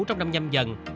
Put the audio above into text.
trong năm nhâm dần